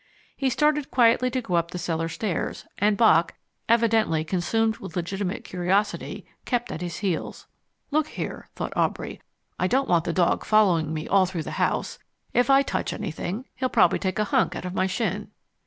He started quietly to go up the cellar stairs, and Bock, evidently consumed with legitimate curiosity, kept at his heels. "Look here," thought Aubrey. "I don't want the dog following me all through the house. If I touch anything he'll probably take a hunk out of my shin."